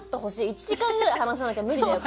１時間ぐらい話さなきゃ無理だよ